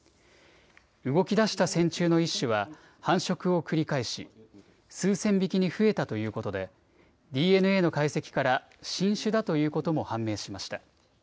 動きだした線虫の一種は繁殖を繰り返し数千匹に増えたということでＤＮＡの解析から新種だということも判明しました。